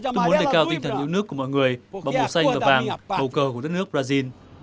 tôi muốn đề cao tinh thần nước của mọi người bằng màu xanh và vàng bầu cờ của đất nước brazil